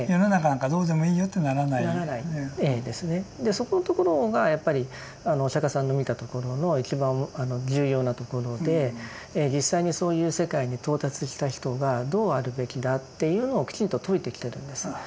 そこのところがやっぱりお釈迦さんの見たところの一番重要なところで実際にそういう世界に到達した人がどうあるべきだっていうのをきちんと説いてきてるんです。